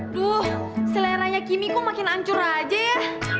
duh seleranya kimi kok makin ancur aja ya